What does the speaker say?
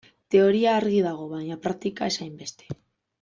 Teoria argi dago, baina praktika ez hainbeste.